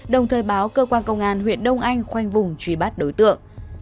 đồng thời báo cơ quan công an huyện đông anh khoanh vùng truy bắt đối tượng